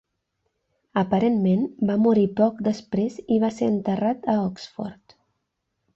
Aparentment, va morir poc després i va ser enterrat a Oxford.